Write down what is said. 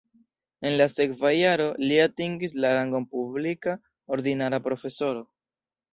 En la sekva jaro li atingis la rangon publika ordinara profesoro.